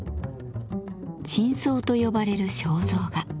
「頂相」と呼ばれる肖像画。